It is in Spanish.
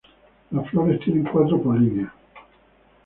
Las flores tienen cuatro polinias.